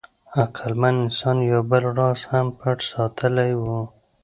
عقلمن انسان یو بل راز هم پټ ساتلی و.